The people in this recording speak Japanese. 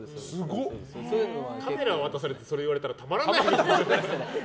カメラ渡されてそれ言われたらたまらない。